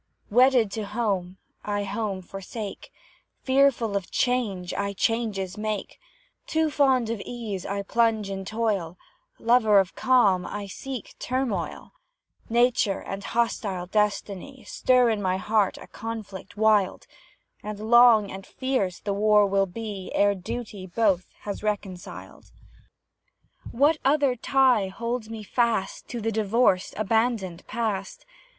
Wedded to home I home forsake; Fearful of change I changes make; Too fond of ease I plunge in toil; Lover of calm I seek turmoil: Nature and hostile Destiny Stir in my heart a conflict wild; And long and fierce the war will be Ere duty both has reconciled. What other tie yet holds me fast To the divorced, abandoned past?